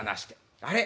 あれ？